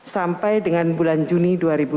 sampai dengan bulan juni dua ribu dua puluh